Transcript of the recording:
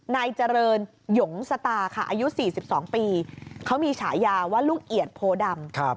นายเจริญหยงสตาค่ะอายุ๔๒ปีเขามีฉายาว่าลูกเอียดโพดำ